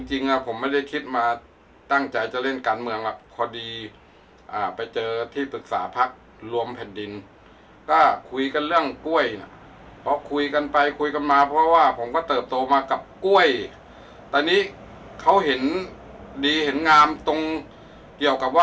จริงอ่ะผมไม่ได้คิดมาตั้งใจจะเล่นการเมืองอ่ะพอดีอ่าไปเที่ยวนะครับก็คิดมาเล่นการเมืองอ่ะพอดีอ่ะไปเที่ยวนะครับผมไม่ได้คิดมาตั้งใจจะเล่นการเมืองอ่ะพอดีอ่าไปเที่ยวนะครับผมไม่ได้คิดมาตั้งใจจะเล่นการเมืองอ่ะพอดีอ่าไปเที่ยวนะครับผมไม่ได้คิดมาตั้งใจจะเล่นการเมืองอ่ะพอดีอ่าไปเที่ยวนะครับผมไม่